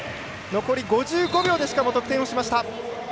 残り５５秒で得点をしました。